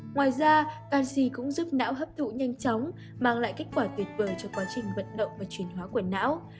ngoài ra canxi cũng giúp não hấp thụ nhanh chóng mang lại kết quả tuyệt vời cho quá trình vận động và chuyển hóa quần áo